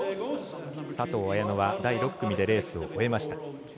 佐藤綾乃は第６組でレースを終えました。